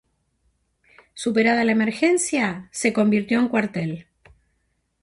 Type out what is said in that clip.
Superada la emergencia, se convirtió en cuartel.